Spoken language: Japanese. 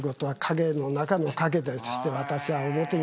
そして私は。